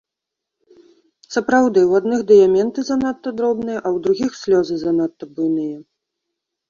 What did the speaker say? Сапраўды, у адных дыяменты занадта дробныя, а ў другіх слёзы занадта буйныя.